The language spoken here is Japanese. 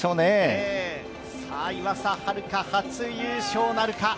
岩佐明香、初優勝なるか！